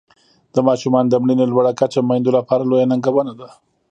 د ماشومانو د مړینې لوړه کچه میندو لپاره لویه ننګونه ده.